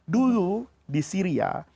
dulu di syria